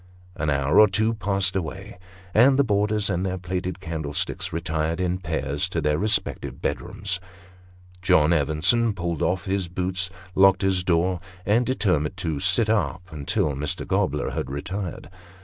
An hour or two passed away j 230 Sketches by Box. and the boarders and the brass candlesticks retired in pairs to their respective bedrooms. John Evenson pulled off his boots, locked his door, and determined to sit up until Mr. Gobler had retired.